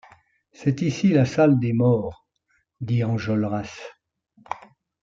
C’est ici la salle des morts, dit Enjolras.